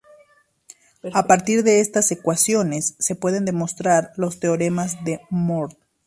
A partir de estas ecuaciones se pueden demostrar los teoremas de Mohr.